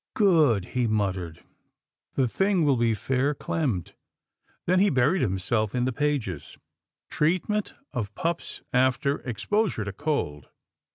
" Good," he muttered, " the thing will be fair clemmed," then he buried himself in the pages, " Treatment of Pups After Exposure to Cold."